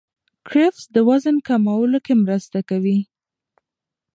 کرفس د وزن کمولو کې مرسته کوي.